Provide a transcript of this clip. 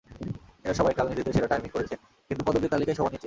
এরা সবাই কাল নিজেদের সেরা টাইমিং করেছেন, কিন্তু পদকের তালিকায় সবার নিচে।